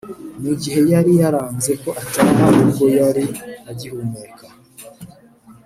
mu gihe yari yaranze ko ataha ubwo yari agihumeka